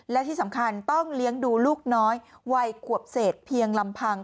และที่สำคัญต้องเลี้ยงดูลูกน้อยวัยขวบเศษเพียงลำพัง